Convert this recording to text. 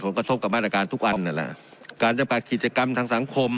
กระทบกับมาตรการทุกอันนั่นแหละการจำกัดกิจกรรมทางสังคม